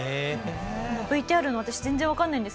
ＶＴＲも私全然わかんないんで。